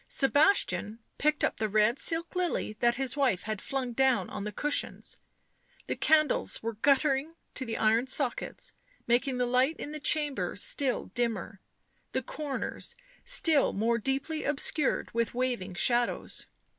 Sebastian picked up the red silk lily that his wife had flung down on the cushions ; the candles were guttering to the iron sockets, making the ' light in the chamber still dimmer, the corners still more deeply obscured with waving shadows.